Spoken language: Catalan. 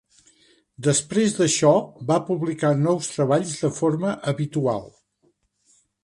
Després d'això, va publicar nous treballs de forma habitual.